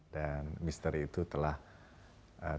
dan misteri itu telah terjadi